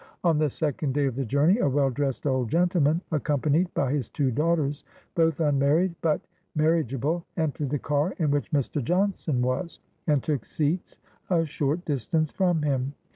On the second day of the journey, a well dressed old gentleman, accompa nied by his two daughters, both unmarried, but marri ageable, entered the car in which Mr. Johnson was, and took seats a short distance from him.